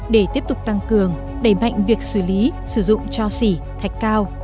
để tiếp tục tăng cường đẩy mạnh việc xử lý sử dụng cho xỉ thạch cao